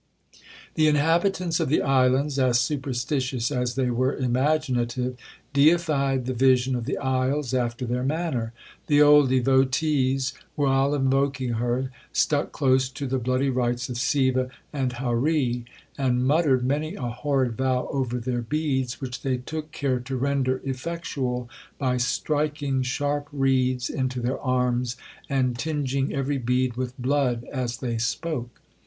'The inhabitants of the islands, as superstitious as they were imaginative, deified the vision of the isles after their manner. The old devotees, while invoking her, stuck close to the bloody rites of Seeva and Haree, and muttered many a horrid vow over their beads, which they took care to render effectual by striking sharp reeds into their arms, and tinging every bead with blood as they spoke.